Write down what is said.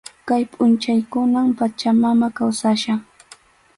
Kay pʼunchawkunam Pachamama kawsachkan.